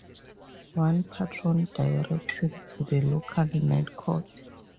One patron directs him to the local Night Court.